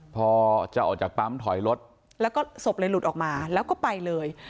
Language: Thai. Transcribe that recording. พอจะออกจากปั๊มถอยรถแล้วก็ศพเลยหลุดออกมาแล้วก็ไปเลย